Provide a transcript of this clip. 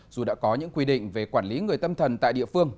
dù đã có những quy định về quản lý người tâm thần tại địa phương